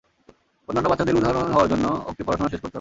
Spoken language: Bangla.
অনান্য বাচ্চাদের উদাহরণ হওয়ার জন্য ওকে পড়াশোনা শেষ করতে হবে।